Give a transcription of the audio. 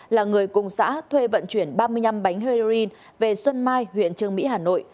là người cùng xã thuê vận chuyển ba mươi năm bánh heroin về xuân mai huyện trương mỹ hà nội